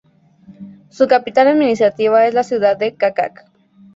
Su capital administrativa es la ciudad de Čačak.